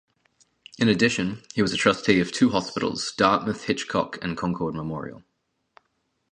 In addition, he was a trustee of two hospitals: Dartmouth Hitchcock and Concord Memorial.